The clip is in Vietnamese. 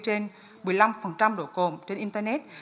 trên một mươi năm độ cồn trên internet